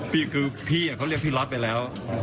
พี่คือพี่อ่ะเขาเรียกพี่รัสไปแล้ว